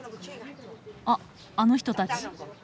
あっあの人たち。